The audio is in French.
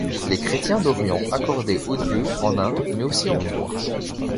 Les Chrétiens d’Orients accordaient au Dieu en un mais aussi en trois.